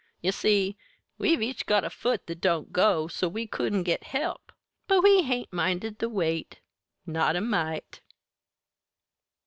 "Ye see, we've each got a foot that don't go, so we couldn't git help; but we hain't minded the wait not a mite!"